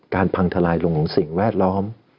พังทลายลงของสิ่งแวดล้อม